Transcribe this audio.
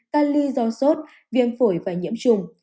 cali do sốt viêm phổi và nhiễm trùng